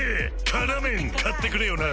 「辛麺」買ってくれよな！